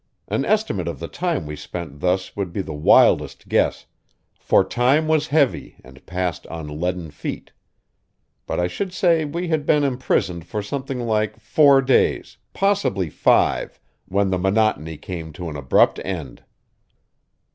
An estimate of the time we spent thus would be the wildest guess, for time was heavy and passed on leaden feet. But I should say we had been imprisoned for something like four days, possibly five, when the monotony came to an abrupt end.